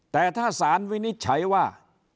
แต่ถ้าสารวินิจฉัยว่า